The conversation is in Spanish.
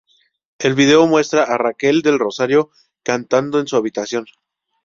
El video muestra a Raquel del Rosario cantando en su habitación.